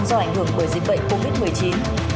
do ảnh hưởng bởi dịch bệnh covid một mươi chín